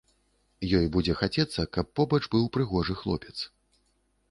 Ёй будзе хацецца, каб побач быў прыгожы хлопец.